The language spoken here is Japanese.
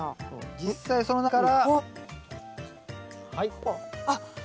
実際その苗から。